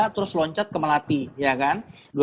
terus loncat ke melati ya kan